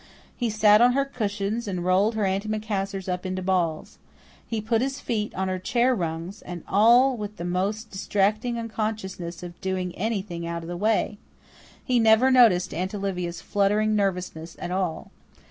He sat on her cushions and rolled her antimacassars up into balls. He put his feet on her chair rungs and all with the most distracting unconsciousness of doing anything out of the way. He never noticed Aunt Olivia's fluttering nervousness at all.